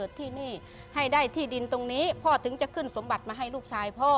ที่นี่ให้ได้ที่ดินตรงนี้พ่อถึงจะขึ้นสมบัติมาให้ลูกชายพ่อ